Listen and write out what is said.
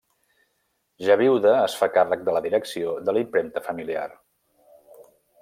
Ja viuda, es fa càrrec de la direcció de la impremta familiar.